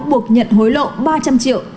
buộc nhận hối lộ ba trăm linh triệu